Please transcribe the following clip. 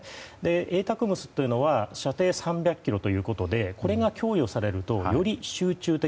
ＡＴＡＣＭＳは射程３００ｋｍでこれが供与されるとより集中的